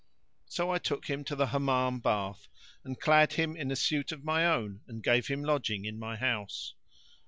So I took him to the Hammam bath[FN#54] and clad him in a suit of my own and gave him lodging in my house.